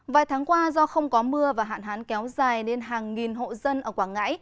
vài tháng qua do không có mưa và hạn hán kéo dài nên hàng nghìn hộ dân ở quảng ngãi